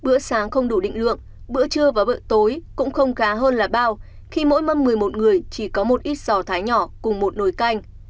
bữa sáng không đủ định lượng bữa trưa và bữa tối cũng không khá hơn là bao khi mỗi mâm một mươi một người chỉ có một ít sò thái nhỏ cùng một nồi canh